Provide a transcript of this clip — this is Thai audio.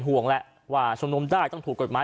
ห่วงแหละว่าชุมนุมได้ต้องถูกกฎหมาย